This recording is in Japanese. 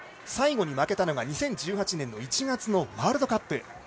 最後に負けたのが２０１８年１月のワールドカップ。